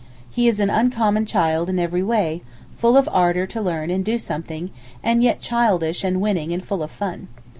He is an uncommon child in every way, full of ardour to learn and do something, and yet childish and winning and full of fun.